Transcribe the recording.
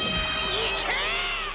いけ！